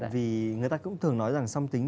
vì người ta cũng thường nói rằng song tính